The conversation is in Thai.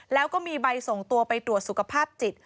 แล้วก็มีใบส่งตัวไปตรวจสุขภาพจิต